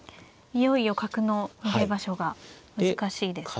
いよいよ角の逃げ場所が難しいですね。